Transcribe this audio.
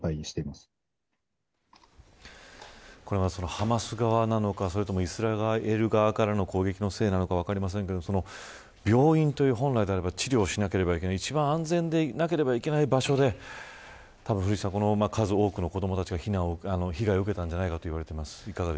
ハマス側なのかイスラエル側からの攻撃のせいなのか分かりませんけど病院という本来であれば治療しなければいけない一番安全でなければいけない場所で数多くの子どもたちが被害を受けたんじゃないかといわれています。